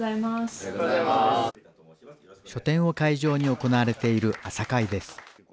書店を会場に行われている朝会です。